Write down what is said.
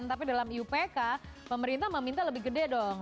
tapi dalam iupk pemerintah meminta lebih gede dong